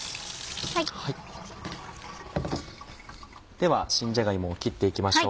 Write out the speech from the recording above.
では新じゃが芋を切っていきましょう。